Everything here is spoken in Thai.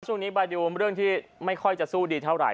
ช่วงนี้ไปดูเรื่องที่ไม่ค่อยจะสู้ดีเท่าไห